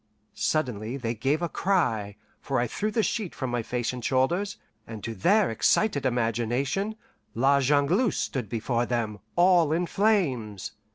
Suddenly they gave a cry, for I threw the sheet from my face and shoulders, and to their excited imagination La Jongleuse stood before them, all in flames.